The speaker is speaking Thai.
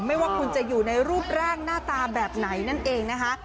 ไม่ว่าคุณจะอยู่ในรูปร่างหน้าตาแบบไหนนั่นเองนะคะ